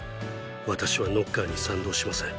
私はノッカーに賛同しません。